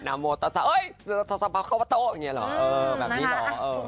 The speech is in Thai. นามโมตาสาเอ้ยสามารถเข้าประตูอย่างเงี้ยหรอเออแบบนี้หรอ